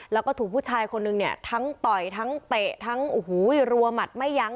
แล้วก็ถูกผู้ชายคนนึงเนี่ยทั้งต่อยทั้งเตะทั้งโอ้โหรัวหมัดไม่ยั้ง